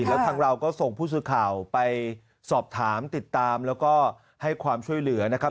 แล้วทางเราก็ส่งผู้สื่อข่าวไปสอบถามติดตามแล้วก็ให้ความช่วยเหลือนะครับ